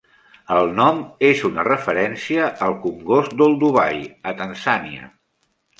El nom és una referència al congost d'Olduvai a Tanzània.